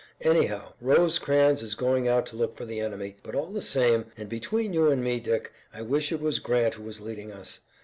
Anyhow Rosecrans is going out to look for the enemy, but all the same, and between you and me, Dick, I wish it was Grant who was leading us.